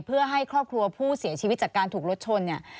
เพื่อให้ครอบครัวผู้เสียชีวิตจากการถูกรถชนเนี่ย